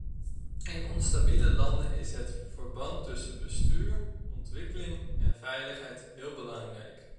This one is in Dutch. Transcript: In onstabiele landen is het verband tussen bestuur, ontwikkeling en veiligheid heel belangrijk.